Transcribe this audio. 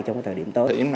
trong thời điểm tới